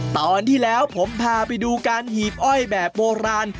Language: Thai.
ตอนที่แล้วผมพาไปดูการหีบอ้อยแบบโบราณ